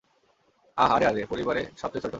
আহ, আরে, আরে, পরিবারে সবচেয়ে ছোট!